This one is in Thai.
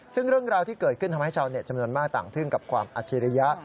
ซึ่งเรื่องราวที่เกิดขึ้นทำให้ชาวเน็ตจำนวนมากต่างทึ่งกับความอัจฉริยะ